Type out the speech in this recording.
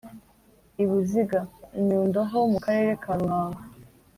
i buziga: i nyundo ho mu karere ka ruhango